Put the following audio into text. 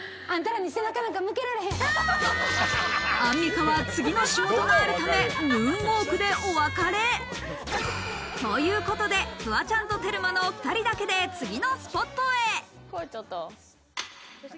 アンミカは次の仕事があるため、ムーンウオークでお別れ。ということで、フワちゃんとテルマの２人だけで次のスポットへ。